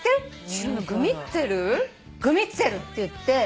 グミッツェルっていって。